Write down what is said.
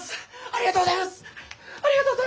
ありがとうございます！